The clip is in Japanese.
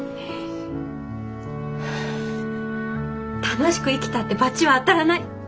楽しく生きたってバチは当たらない。